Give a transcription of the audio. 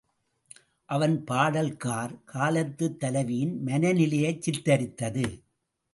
அவன் பாடல் கார் காலத்துத் தலைவியின் மன நிலையைச் சித்திரித்தது.